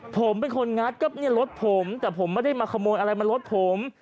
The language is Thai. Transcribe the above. ผมเป็นคนงัดก็เนี่ยรถผมแต่ผมไม่ได้มาขโมยอะไรมารถผม